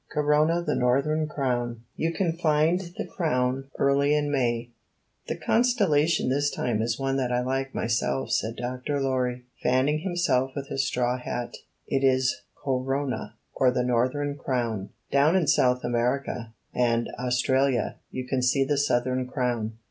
CORONA, THE NORTHERN CROWN You can find the Crown early in May "The constellation this time is one that I like myself," said Dr. Lorry, fanning himself with his straw hat. "It is Co ro' na or the Northern Crown. Down in South America and Australia you can see the Southern Crown."